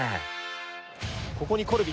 ここにコルビ！